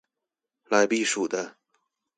來避暑的